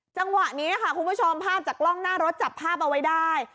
จังหวะนี้ค่ะคุณผู้ชมภาพจากกล้องหน้ารถจับภาพเอาไว้ได้